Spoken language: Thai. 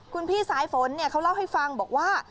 คุณพี่สายฝนเขาเล่าให้ฟังบอกว่า